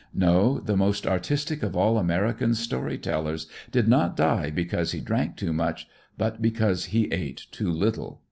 No, the most artistic of all American story tellers did not die because he drank too much, but because he ate too little.